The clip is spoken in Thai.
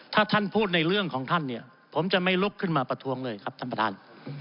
ถ้าท่านพูดในเรื่องของท่านเนี่ยผมจะไม่ลุกขึ้นมาประท้วงเลยครับท่านประธาน